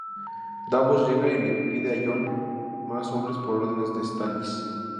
Davos llega y le pide a Jon más hombres por órdenes de Stannis.